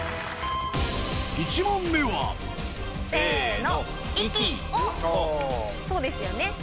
１問目はおっそうですよね。